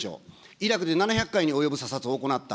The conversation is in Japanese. イラクで７００回に及ぶ査察を行った。